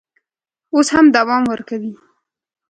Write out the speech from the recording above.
اوس هم دوام ورکوي.